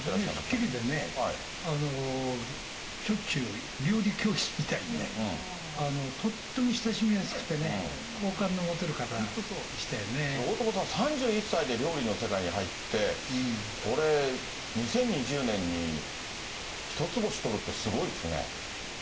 スッキリでね、しょっちゅう料理教室みたいにね、とっても親しみやすくてね、大友さん、３１歳で料理の世界に入って、これ、２０２０年に１つ星取るって、すごいですね。